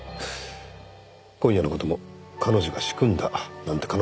今夜の事も彼女が仕組んだなんて可能性はありますかね？